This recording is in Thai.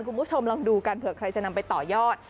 คุณผู้ชมลองดูกันเผื่อใครจะนำไปต่อยอด